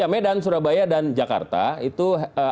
medan surabaya dan jakarta itu